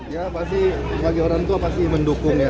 ya pasti bagi orang tua pasti mendukung ya